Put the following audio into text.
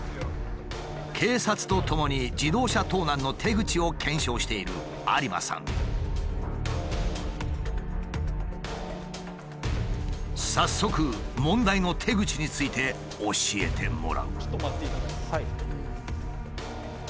警察とともに自動車盗難の手口を検証している早速問題の手口について教えてもらう。